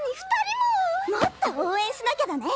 もっと応援しなきゃだね！